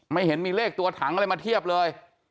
เห็นมีเลขตัวถังอะไรมาเทียบเลย